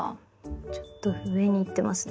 ちょっと上にいってますね。